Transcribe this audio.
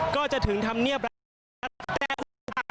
ก็จะถึงธรรมเนียบรัฐบาล